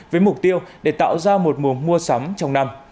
với mục tiêu để tạo ra một mùa mua sắm trong năm